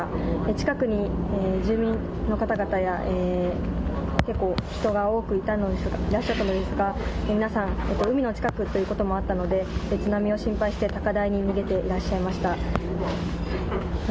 近くに住民の方々や、結構、人が多くいらっしゃったのですが、皆さん、海の近くということもあったので、津波を心配して、高台に逃げていらっしゃいました。